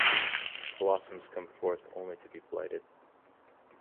Blossoms come forth only to be blighted.